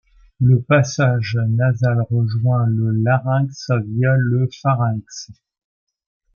Le passage nasal rejoint le larynx via le pharynx.